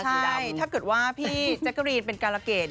ที่ได้ถ้าเกิดว่าพี่แจ๊กกะรีนเป็นการละเกด